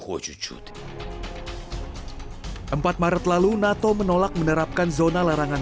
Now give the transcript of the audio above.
pemerhatian kita adalah bahwa kita mengerti keberanian